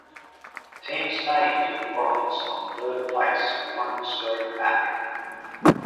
Team Spain took the bronze on third place one stroke back.